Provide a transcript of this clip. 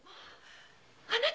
あなたは！